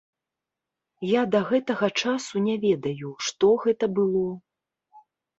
Я да гэтага часу не ведаю, што гэта было.